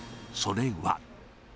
それは。